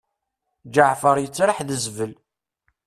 Ǧeɛfer yettraḥ d zbel.